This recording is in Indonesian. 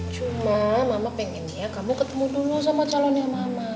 cuma mama pengennya kamu ketemu dulu sama calonnya mama